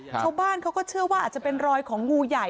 ชาวบ้านเขาก็เชื่อว่าอาจจะเป็นรอยของงูใหญ่